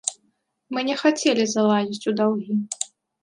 Мы не хацелі залазіць у даўгі.